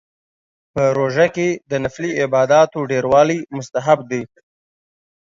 په روژه کې د نفلي عباداتو ډیروالی مستحب دی